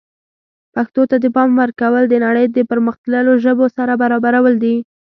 پښتو ته د پام ورکول د نړۍ د پرمختللو ژبو سره برابرول دي.